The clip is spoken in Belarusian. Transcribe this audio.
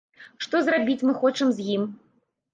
Што зрабіць мы хочам з ім.